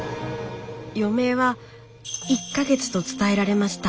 余命は１か月と伝えられました。